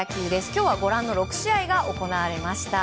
今日はご覧の６試合が行われました。